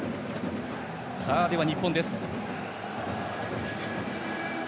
では日本です。